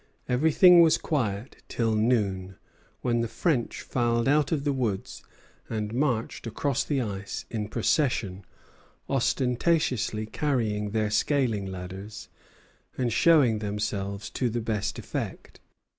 Everything was quiet till noon, when the French filed out of the woods and marched across the ice in procession, ostentatiously carrying their scaling ladders, and showing themselves to the best effect.